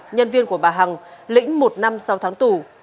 nhân viên của bà hằng lĩnh một năm sau tháng tù